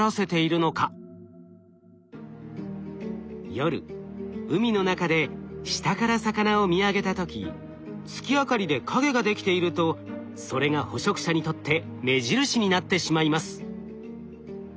夜海の中で下から魚を見上げた時月明かりで影ができているとそれが捕食者にとって目印になってしまいます。